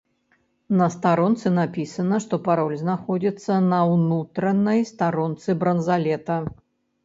На старонцы напісана, што пароль знаходзіцца на ўнутранай старонцы бранзалета.